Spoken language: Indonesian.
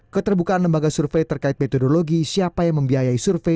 keterbukaan lembaga survei terkait metodologi siapa yang membiayai survei